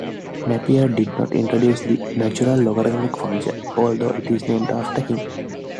Napier did not introduce this "natural" logarithmic function, although it is named after him.